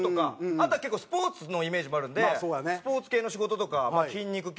あとは結構スポーツのイメージもあるんでスポーツ系の仕事とか筋肉系の仕事とか。